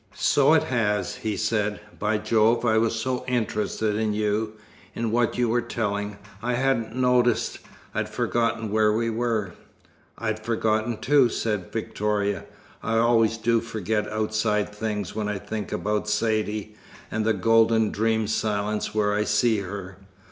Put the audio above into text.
"So it has," he said. "By Jove, I was so interested in you in what you were telling I hadn't noticed. I'd forgotten where we were." "I'd forgotten, too," said Victoria. "I always do forget outside things when I think about Saidee, and the golden dream silence where I see her.